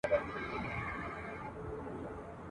زه پر وزر باندي ویشتلی زاڼی !.